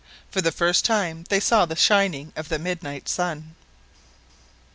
For the first time they saw the shining of the midnight sun.